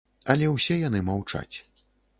Але ўсе яны маўчаць.